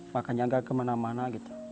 makanya nggak kemana mana gitu